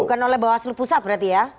bukan oleh bawaslu pusat berarti ya